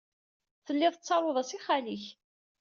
Tellid tettarud-as i xali-k.